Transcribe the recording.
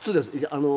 あの。